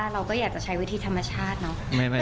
เราก็อยากจะใช้วิธีธรรมชาติเนอะ